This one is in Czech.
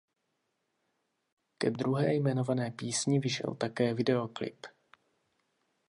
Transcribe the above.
Ke druhé jmenované písni vyšel také videoklip.